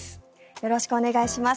よろしくお願いします。